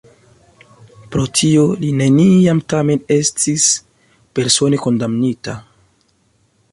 Pro tio li neniam tamen estis persone kondamnita.